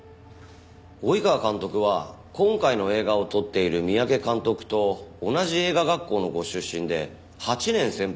及川監督は今回の映画を撮っている三宅監督と同じ映画学校のご出身で８年先輩にあたるそうですね。